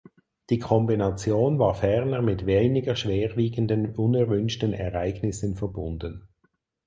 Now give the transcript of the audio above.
Die Kombination war ferner mit weniger schwerwiegenden unerwünschten Ereignissen verbunden.